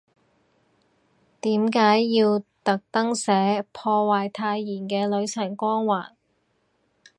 點解要特登寫，破壞太妍嘅女神光環